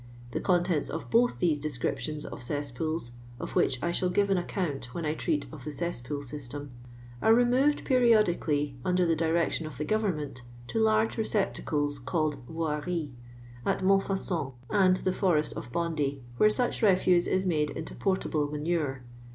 The contents of both these descriptions <jt ce8>pools (of which I ehnll give an account when I treat of the cesspool system^ are removed p«'riodically, under tlie direc tion of tlie government, to large receptacles, called < ./.V/r.*, at Monifaucon, and the Forest of 13<indy, will re bucli refuse Ls made into portable manure.